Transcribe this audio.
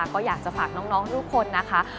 ก็อยากจะฝากน้องทุกคนนะคะ